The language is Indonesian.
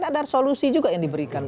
ada solusi juga yang diberikan